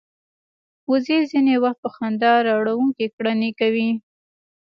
وزې ځینې وخت په خندا راوړونکې کړنې کوي